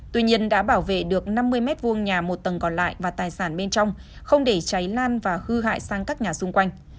tuy nhiên đã bảo vệ được năm mươi m hai nhà một tầng còn lại và tài sản bên trong không để cháy lan và hư hại sang các nhà xung quanh